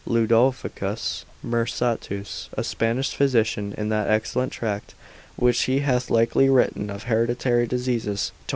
Ludovicus Mercatus, a Spanish physician, in that excellent Tract which he hath lately written of hereditary diseases, tom.